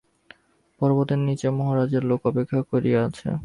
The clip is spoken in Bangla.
পর্বতের নীচে মহারাজের লোক অপেক্ষা করিয়া আছে।